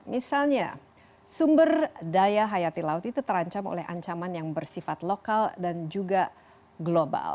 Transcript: misalnya sumber daya hayati laut itu terancam oleh ancaman yang bersifat lokal dan juga global